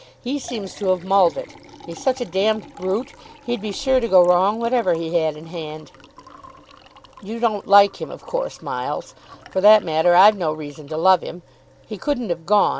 He seems to have mulled it. He's such a d brute, he'd be sure to go wrong whatever he had in hand." "You don't like him, of course, Miles. For that matter I've no reason to love him. He couldn't have gone.